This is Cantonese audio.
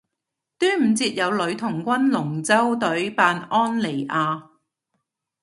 端午節有女童軍龍舟隊扮安妮亞